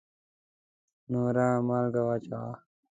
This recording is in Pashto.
نوره مالګه واچوئ